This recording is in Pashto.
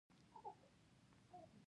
د زوړ مدعي زوی واک ته د رسېدو هڅه وکړه.